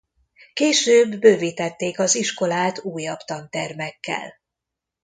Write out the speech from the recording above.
Később bővítették az iskolát újabb tantermekkel.